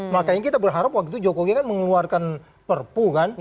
makanya kita berharap waktu itu jokowi kan mengeluarkan perpu kan